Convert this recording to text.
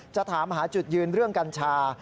จะถามหาจุดยืนเรื่องกัญชา